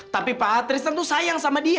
tapi pak tristan tuh sayang sama dia